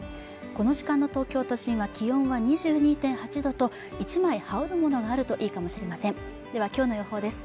この時間の東京都心は気温は２２．８度と１枚羽織るものがあるといいかもしれませんではきょうの予報です